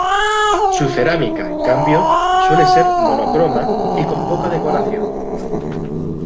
Su cerámica, en cambio, suele ser monocroma y con poca decoración.